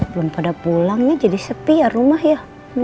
iya ya belum pada pulangnya jadi sepi ya rumah ya